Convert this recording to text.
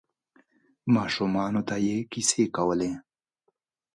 ماشومانو ته یې کیسې کولې.